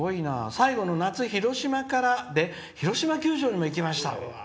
「最後の夏、広島からで広島球場にも行きました。